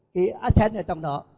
cái accent ở trong đó